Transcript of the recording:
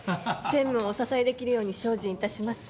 専務をお支えできるように精進いたします。